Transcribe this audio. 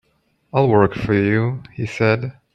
"I'll work for you," he said.